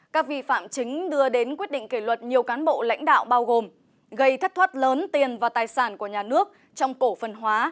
các vi phạm chính đưa đến quyết định kỷ luật nhiều cán bộ lãnh đạo bao gồm gây thất thoát lớn tiền và tài sản của nhà nước trong cổ phần hóa